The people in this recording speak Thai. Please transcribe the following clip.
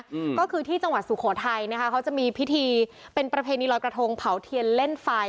อืมก็คือที่จังหวัดสุโขทัยนะคะเขาจะมีพิธีเป็นประเพณีลอยกระทงเผาเทียนเล่นไฟ